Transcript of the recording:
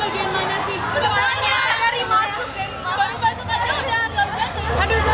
ini sih yang kunti yang lebih baik gitu